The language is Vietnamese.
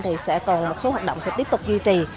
thì sẽ còn một số hoạt động sẽ tiếp tục duy trì